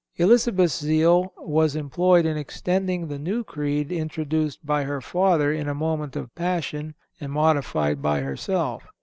Elizabeth's zeal was employed in extending the new creed introduced by her father in a moment of passion, and modified by herself.